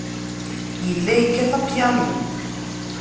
Yella yekkat apyanu.